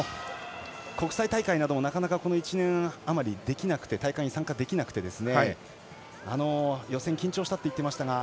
国際大会なども１年半あまりできなくて大会に参加できなくて予選、緊張したと言っていましたが。